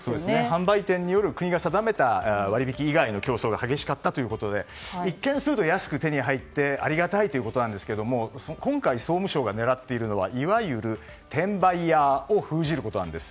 販売店による国が定めた割引以外の競争が激しかったということで一見すると安く手に入ってありがたいということですが今回、総務省が狙っているのはいわゆる転売ヤーを封じることなんです。